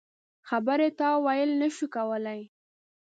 خبرې تاویل نه شو کولای.